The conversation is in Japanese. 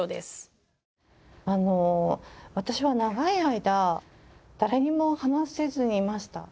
あの私は長い間誰にも話せずにいました。